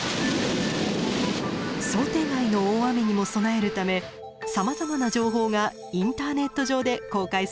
想定外の大雨にも備えるためさまざまな情報がインターネット上で公開されています。